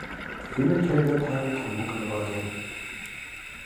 Ֆիլը չէր դադարել թմբուկ նվագել։